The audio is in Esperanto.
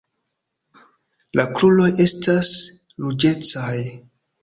La kruroj estas ruĝecaj.